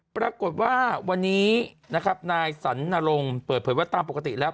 ปรากฏว่าวันนี้นะครับนายสันนรงค์เปิดเผยว่าตามปกติแล้ว